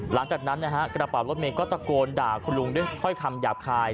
หลังจากนั้นนะฮะกระเป๋ารถเมย์ก็ตะโกนด่าคุณลุงด้วยถ้อยคำหยาบคาย